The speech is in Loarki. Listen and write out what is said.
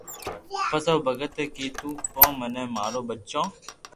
پسي او ڀگت اي ڪيدو ڪو مني مارو ٻچو